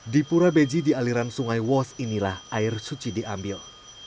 di pura beji di aliran sungai wos inilah air suci diambil